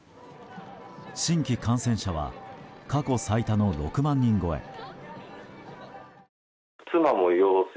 新規感染者は過去最多の６万人超え。